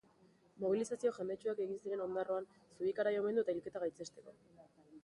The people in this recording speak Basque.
Mobilizazio jendetsuak egin ziren Ondarroan Zubikarai omendu eta hilketa gaitzesteko.